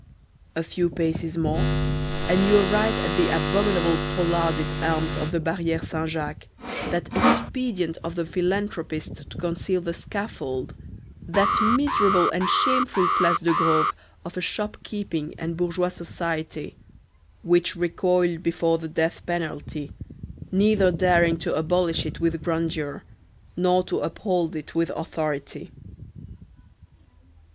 A few paces more, and you arrive at the abominable pollarded elms of the Barrière Saint Jacques, that expedient of the philanthropist to conceal the scaffold, that miserable and shameful Place de Grève of a shop keeping and bourgeois society, which recoiled before the death penalty, neither daring to abolish it with grandeur, nor to uphold it with authority.